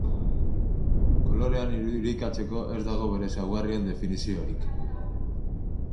Kolorean irudikatzeko ez dago bere ezaugarrien definiziorik.